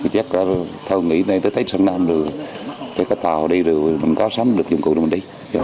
chắc là thôi nghĩ đến tới tây sơn nam rồi cái tàu đi rồi mình có sắm được dụng cụ rồi mình đi